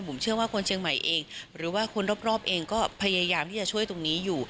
ผมเชื่อว่าคนเชียงใหม่เองหรือว่าคนรอบเองก็พยายามที่จะช่วยตรงนี้อยู่